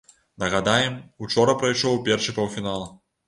Нагадаем, учора прайшоў першы паўфінал.